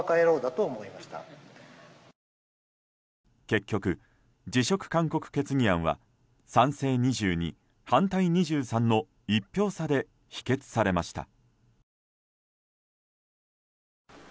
結局、辞職勧告決議案は賛成２２、反対２３の１票差で否決されました。